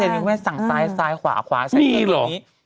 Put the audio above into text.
มีก็